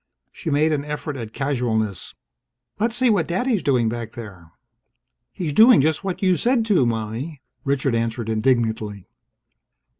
She made an effort at casualness: "Let's see what Daddy's doing back there." "He's doing just what you said to, Mommie!" Richard answered indignantly.